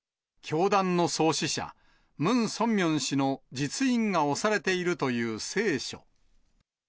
教団の創始者、ムン・ソンミョン氏の実印が押されているという聖書。